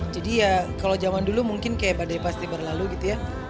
jadi ya kalau zaman dulu mungkin kayak badai pasti berlalu gitu ya